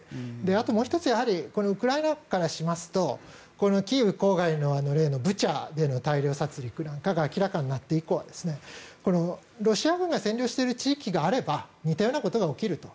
あともう１つウクライナからしますとキーウ郊外の例のブチャでの大量殺りくが明らかになって以降はロシア軍が占領している地域があれば似たようなことが起きると。